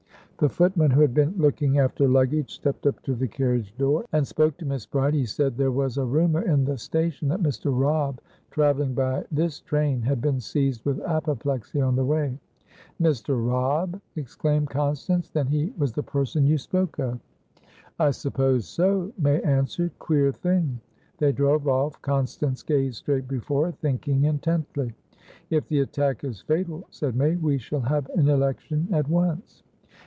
The footman, who had been looking after luggage, stepped up to the carriage door and spoke to Miss Bride. He said there was a rumour in the station that Mr. Robb, travelling by this train, had been seized with apoplexy on the way. "Mr. Robb!" exclaimed Constance. "Then he was the person you spoke of?" "I suppose so," May answered. "Queer thing!" They drove off. Constance gazed straight before her, thinking intently. "If the attack is fatal," said May, "we shall have an election at once."